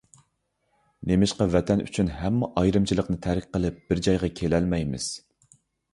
نېمىشقا ۋەتەن ئۈچۈن ھەممە ئايرىمىچىلىقنى تەرك قىلىپ بىر جايغا كېلەلمەيمىز؟!